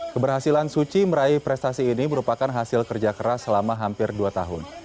keberhasilan suci meraih prestasi ini merupakan hasil kerja keras selama hampir dua tahun